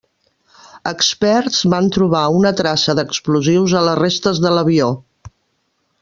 Experts van trobar una traça d'explosius a les restes de l'avió.